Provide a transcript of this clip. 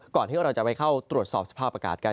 ที่เราจะไปเข้าตรวจสอบสภาพอากาศกัน